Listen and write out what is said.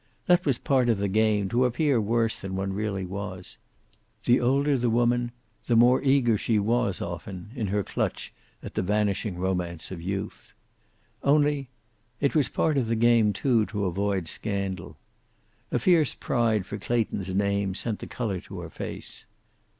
That was part of the game, to appear worse than one really was. The older the woman, the more eager she was often in her clutch at the vanishing romance of youth. Only it was part of the game, too, to avoid scandal. A fierce pride for Clayton's name sent the color to her face.